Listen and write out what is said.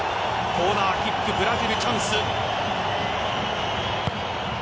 コーナーキックブラジル、チャンス。